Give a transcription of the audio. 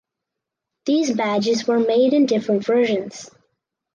These badges were made in different versions.